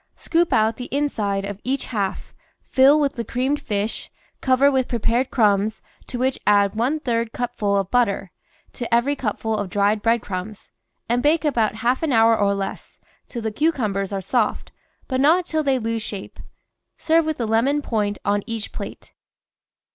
Scoop out the inside of each half, THE VEGETABLE GARDEN fill with the creamed fish, cover with prepared crumbs, to which add one third cupful of butter to every cupful of dried bread crumbs, and bake about half an hour or less, till the cucumbers are soft, but not till they lose shape. Serve with a lemon point on each plate.